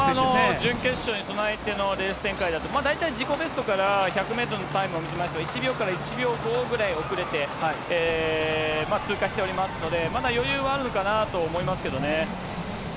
準決勝に備えてのレース展開だと、大体自己ベストから１００メートルのタイムを見ますと、１秒から１秒５ぐらい遅れて通過しておりますので、まだ余裕はあるのかなと思いますけどね。